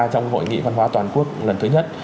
trong hội nghị văn hóa toàn quốc lần thứ nhất